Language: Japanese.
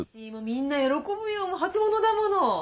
みんな喜ぶよ初物だもの。